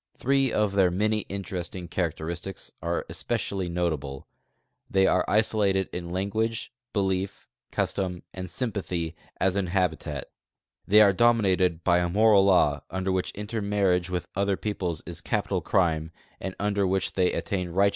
Throe of their many interesting characteristics are especially notable : 'riiey are isolated in language, belief, custom, and sympathy as in habitat; they are dominated 1)V a moral law under which intermarriage with other [)eoples is ca[)ital crime and under which they attain righteou.